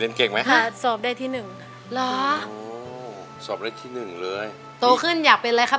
เรียนเก่งไหมค่ะสอบได้ที่หนึ่งหรอสอบได้ที่หนึ่งเลยโตขึ้นอยากเป็นอะไรคะ